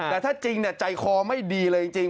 แต่ถ้าจริงใจคอไม่ดีเลยจริง